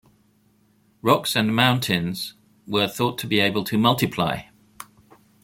Rocks and mountains were thought to be able to multiply.